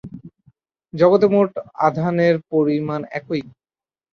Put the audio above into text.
জগতে মোট আধানের পরিমাণ একই।